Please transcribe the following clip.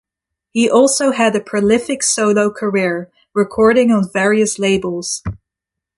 He also had a prolific solo career, recording on various labels.